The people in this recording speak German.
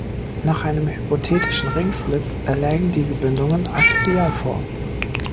Nach einem hypothetischen Ring-Flip lägen diese Bindungen axial vor.